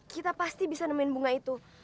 kita pasti bisa nemenin bunga itu